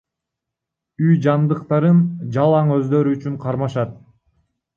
Үй жандыктарын жалаң өздөрү үчүн кармашат.